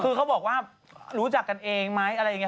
คือเขาบอกว่ารู้จักกันเองไหมอะไรอย่างนี้